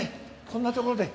こんなところで。